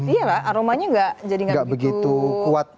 iya lah aromanya gak jadi gak begitu kuat